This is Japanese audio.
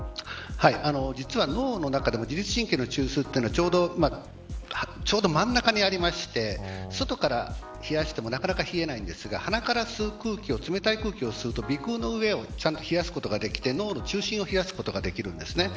実は、脳の中でも自律神経の中枢というのはちょうど真ん中にありまして外から冷やしてもなかなか冷えないんですが鼻から冷たい空気を吸うと鼻腔の上をちゃんと冷やすことができて脳の中心を冷やすことができるんです。